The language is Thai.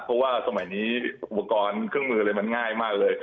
เพราะว่าสมัยนี้อุปกรณ์เครื่องมืออะไรมันง่ายมากเลย